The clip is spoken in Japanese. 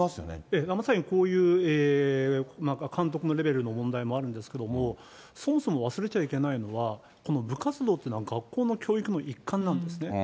まさに、こういう監督のレベルの問題もあるんですけど、そもそも忘れちゃいけないのは、この部活動というのは、学校の教育の一環なんですね。